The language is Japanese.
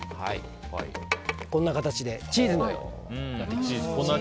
こんな形でチーズのようになってきました。